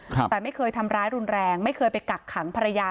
แต่ไม่เคยทำร้ายรุนแรงไม่เคยไปกักขังภรรยา